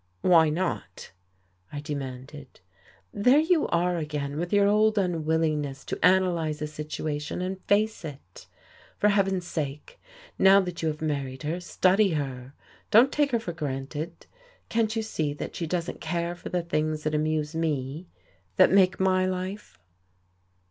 "Why not?" I demanded. "There you are again, with your old unwillingness to analyze a situation and face it. For heaven's sake, now that you have married her, study her. Don't take her for granted. Can't you see that she doesn't care for the things that amuse me, that make my life?"